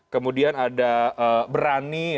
kemudian ada berani